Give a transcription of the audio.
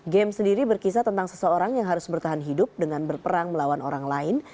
game sendiri berkisah tentang seseorang yang harus bertahan hidup dengan berperang melawan orang lain